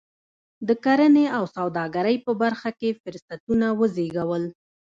د کرنې او سوداګرۍ په برخه کې فرصتونه وزېږول.